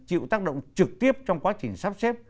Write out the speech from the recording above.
chịu tác động trực tiếp trong quá trình sắp xếp